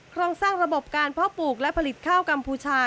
โครงสร้างระบบการเพาะปลูกและผลิตข้าวกัมพูชา